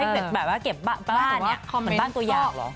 เขาจะให้เก็บบ้านเหมือนบ้านตัวอย่างหรอ